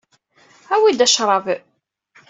Awi-d acṛab.